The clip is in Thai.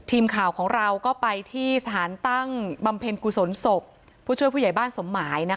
ทีมข่าวของเราก็ไปที่สถานตั้งบำเพ็ญกุศลศพผู้ช่วยผู้ใหญ่บ้านสมหมาย